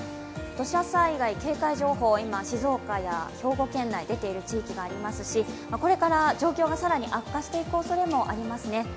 土砂災害警戒情報が今、静岡や兵庫県内、出ている地域がありますしこれから状況が更に悪化していくおそれもありますね。